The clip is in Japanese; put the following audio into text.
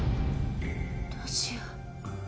どうしよう。